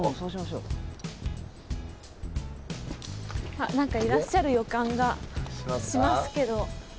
あっ何かいらっしゃる予感がしますけど。